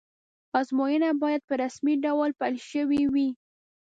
ازموینه باید په رسمي ډول پیل شوې وی.